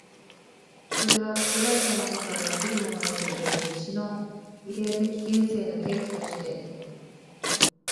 それは作られたものから作るものへという歴史のイデヤ的形成の契機として、